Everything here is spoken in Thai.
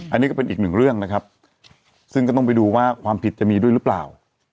อันนี้ก็เป็นอีกหนึ่งเรื่องนะครับซึ่งก็ต้องไปดูว่าความผิดจะมีด้วยหรือเปล่า